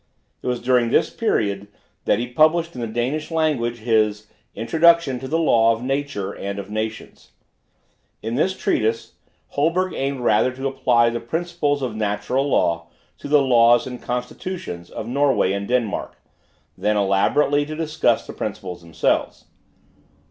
It was during this period that he published in the Danish language, his "Introduction to the Law of Nature and of Nations." In this treatise, Holberg aimed rather to apply the principles of Natural Law to the Laws and Constitutions of Norway and Denmark, than elaborately to discuss the principles themselves.